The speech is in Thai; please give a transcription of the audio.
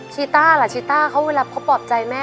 ชิต้าล่ะชิต้าเค้าเวลาเค้าปอบใจแม่